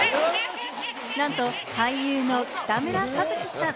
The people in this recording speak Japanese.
なんと俳優の北村一輝さん！